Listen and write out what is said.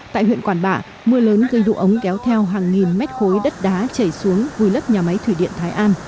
tại huyện quản bạ mưa lớn gây đụ ống kéo theo hàng nghìn mét khối đất đá chảy xuống vùi lấp nhà máy thủy điện thái an